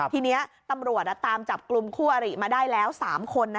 ทีนี้ตำรวจตามจับกลุ่มคู่อริมาได้แล้ว๓คน